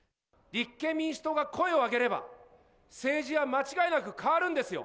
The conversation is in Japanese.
立憲民主党が声を上げれば、政治は間違いなく変わるんですよ。